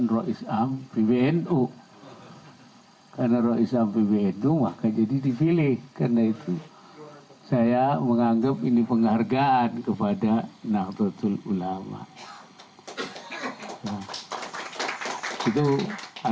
terima kasih enough